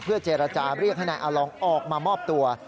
เจรจาเรียกให้นายอาลองออกมามอบตัว